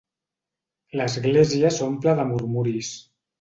L'església s'omple de murmuris.